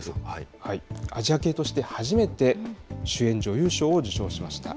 アジア系として初めて主演女優賞を受賞しました。